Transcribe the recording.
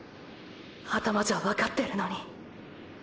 頭じゃわかってるのに――